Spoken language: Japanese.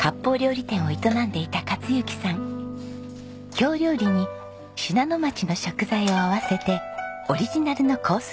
京料理に信濃町の食材を合わせてオリジナルのコース